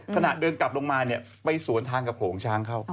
ขณะเดินกลับลงมาไปสวนทางกับโผงช้างเข้า